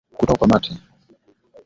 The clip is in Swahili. Kutokwa mate